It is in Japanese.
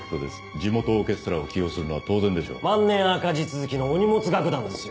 地元オーケストラを起用するのは当然でし万年赤字続きのお荷物楽団ですよ